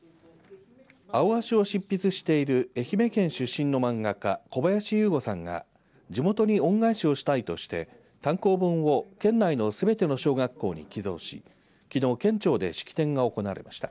アオアシを執筆している愛媛県出身の漫画家小林有吾さんが地元に恩返しをしたいとして単行本を県内のすべての小学校に寄贈しきのう県庁で式典が行われました。